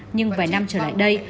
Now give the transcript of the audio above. nhưng vài năm trở lại đây